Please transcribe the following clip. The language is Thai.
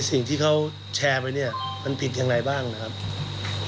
สิ่งที่เขาแชร์ไปเนี่ยมันผิดอย่างไรบ้างนะครับ